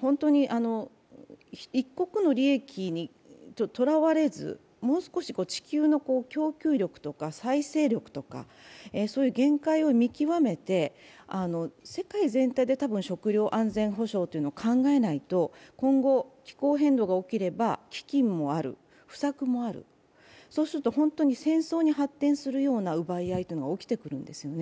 本当に一国の利益にとらわれずもう少し地球の供給力とか再生力とか限界を見極めて、世界全体でたぶん食糧安全保障を考えないと、考えないと、今後、気候変動が起きれば、飢饉もある、不作もある、本当に戦争に発展するような奪い合いが起きてくるんですね。